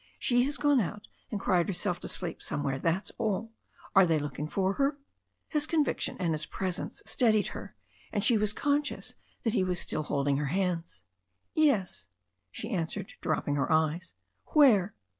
She has gone out and cried herself to sleep somewhere, that's all. Are they looking for her?" His conviction and his presence steadied her, and she was tonscious that he was still holding her hands. "Yes," she answered, dfopping her eyes. "Where